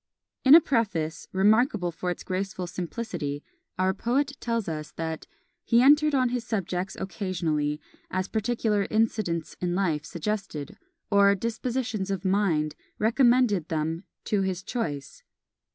In a Preface, remarkable for its graceful simplicity, our poet tells us, that "He entered on his subjects occasionally, as particular incidents in life suggested, or dispositions of mind recommended them to his choice."